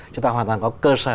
chúng ta hoàn toàn có cơ sở